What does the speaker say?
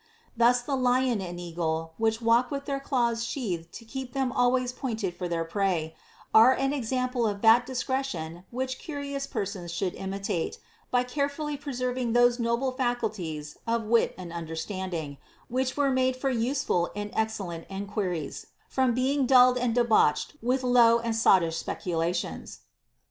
Thus the lion and eagle, which walk with their claws sheathed to keep them always pointed for their prey, are an example of that dis cretion which curious persons should imitate, by carefully preserving those noble faculties of wit and understanding, which were made for useful and excellent enquiries, from being dulled and debauched with low and sottish specula tions.